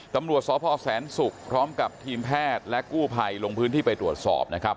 ตำรวจสพแสนศุกร์พร้อมกับทีมแพทย์และกู้ภัยลงพื้นที่ไปตรวจสอบนะครับ